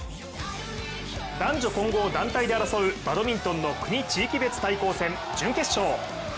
男女混合団体で争うバドミントンの国・地位別で争う選手権準決勝。